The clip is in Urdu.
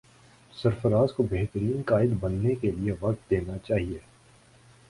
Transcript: سرفراز کو بہترین قائد بننے کے لیے وقت دینا چاہیے